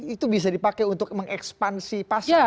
itu bisa dipakai untuk mengekspansi pasar